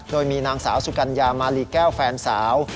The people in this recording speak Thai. โดยมีนางสาวสุกัญญามาลีแก้วแฟนสาว